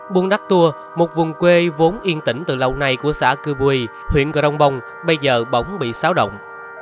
buôn đắc tùa một vùng quê vốn yên tĩnh từ lâu nay của xã cư bùi huyện cà rồng bông bây giờ bóng bị xáo động